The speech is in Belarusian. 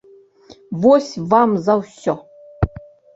Вось вам за ўсё.